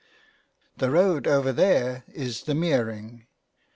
" The road over there is the mearing.'